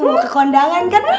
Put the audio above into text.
mau ke kondangan kan